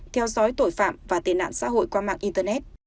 theo dõi tội phạm và tên nạn xã hội qua mạng internet